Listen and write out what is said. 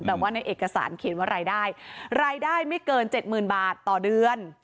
แต่ว่าในเอกสารเขียนว่ารายได้รายได้ไม่เกิน๗๐๐๐๐บาทต่อเดือน